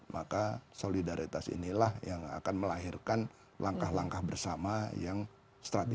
maka solidaritas inilah yang akan melahirkan langkah langkah bersama yang strategis